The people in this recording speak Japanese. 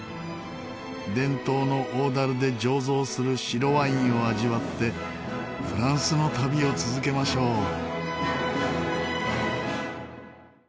伝統の大樽で醸造する白ワインを味わってフランスの旅を続けましょう。